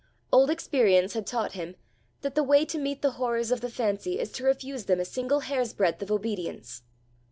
Old experience had taught him that the way to meet the horrors of the fancy is to refuse them a single hair's breadth of obedience.